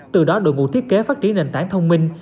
từ đó đội ngũ thiết kế phát triển nền tảng thông minh